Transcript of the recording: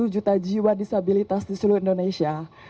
dua puluh satu juta jiwa disabilitas di seluruh indonesia